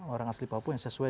orang asli papua yang sesuai